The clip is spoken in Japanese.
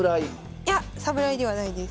いや侍ではないです。